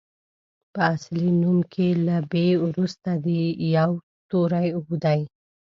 په اصلي نوم کې له بي وروسته د يوو توری دی.